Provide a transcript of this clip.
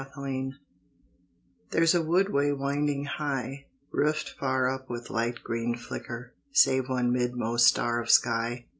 THE ENCOUNTER There's a wood way winding high, Roofed far up with light green flicker, Save one midmost star of sky.